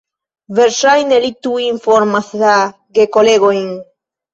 Verŝajne li tuj informas la gekolegojn.